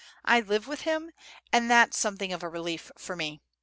"I live with him, and that's something of a relief for me.